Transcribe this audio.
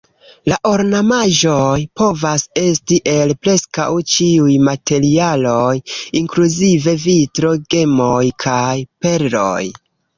La ornamaĵoj povas esti el preskaŭ ĉiuj materialoj inkluzive vitro, gemoj kaj perloj.